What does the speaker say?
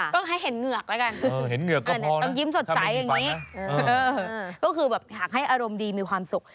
ก็ให้เห็นเหงือกละกันต้องยิ้มสดใจอย่างนี้ก็คือหากให้อารมณ์ดีมีความสุข